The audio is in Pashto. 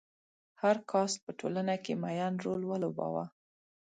هر کاسټ په ټولنه کې معین رول ولوباوه.